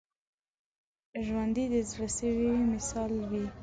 ژوندي د زړه سوي مثال وي